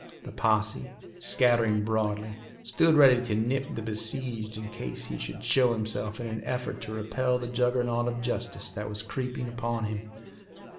The posse, scattering broadly, stood ready to nip the besieged in case he should show himself in an effort to repel the juggernaut of justice that was creeping upon him.